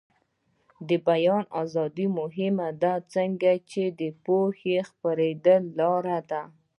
د بیان ازادي مهمه ده ځکه چې د پوهې خپریدو لاره ده.